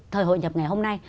thời hội nhập ngày hôm nay